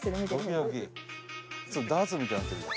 ダーツみたいになってるよ。